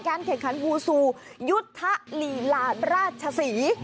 การแข่งขันวูซูยุทธลีราดราชศรี